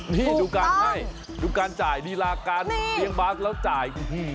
นี่ดูการให้ดูการจ่ายรีลาการเลี้ยงบาสแล้วจ่ายพี่